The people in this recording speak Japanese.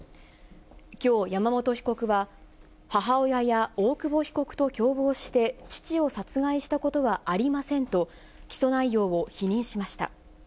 きょう、山本被告は、母親や大久保被告と共謀して、父を殺害したことはありませんと、起訴内容を否認しました。